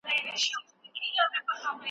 که انلاین ښوونځی وي نو درس نه ټکنی کیږي.